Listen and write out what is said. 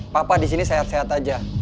papa disini sehat sehat aja